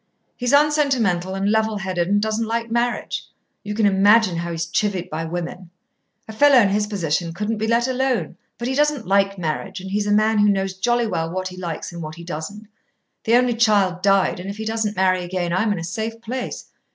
He's unsentimental and level headed, and doesn't like marriage. You can imagine how he's chivied by women. A fellow in his position couldn't be let alone. But he doesn't like marriage, and he's a man who knows jolly well what he likes and what he doesn't. The only child died, and if he doesn't marry again, I'm in a safe place.